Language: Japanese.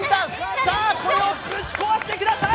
これをぶち壊してください！